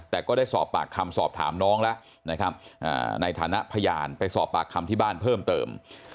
แต่ก็ได้สอบปากคำสอบถามน้องแล้วนะครับในฐานะพยานไปสอบปากคำที่บ้านเพิ่มเติม